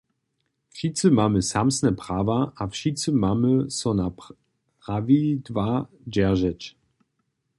Wšitcy mamy samsne prawa, a wšitcy mamy so na prawidła dźeržeć.